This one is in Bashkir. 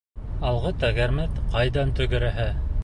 Алғы тәгәрмәс ҡайҙан тәгәрәһә